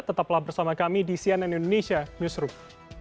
tetaplah bersama kami di cnn indonesia newsroom